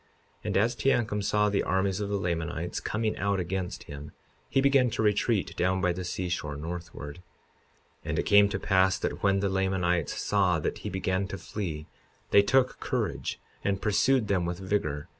And as Teancum saw the armies of the Lamanites coming out against him he began to retreat down by the seashore, northward. 52:24 And it came to pass that when the Lamanites saw that he began to flee, they took courage and pursued them with vigor.